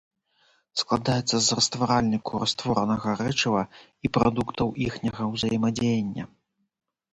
Складаецца з растваральніку, растворанага рэчыва і прадуктаў іхняга ўзаемадзеяння.